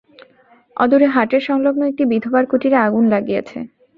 অদূরে হাটের সংলগ্ন একটি বিধবার কুটিরে আগুন লাগিয়াছে।